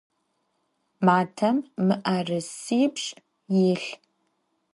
Matem mı'erısipş' yilh.